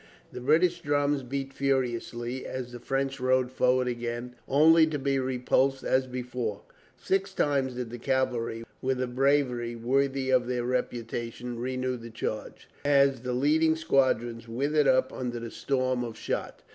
The British drums beat furiously as the French rode forward again, only to be repulsed as before. Six times did the cavalry, with a bravery worthy of their reputation, renew the charge. Six times did they draw back sullenly, as the leading squadrons withered up under the storm of shot.